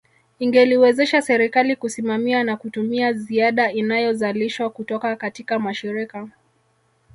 Ingeliwezesha serikali kusimamia na kutumia ziada inayozalishwa kutoka katika mashirika